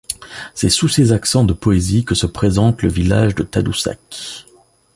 C'est sous ces accents de poésie que se présente le village de Tadoussac.